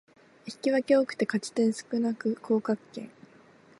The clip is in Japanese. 引き分け多くて勝ち点少なく降格圏